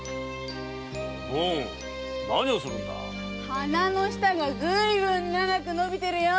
鼻の下がずいぶん長く伸びてるよ！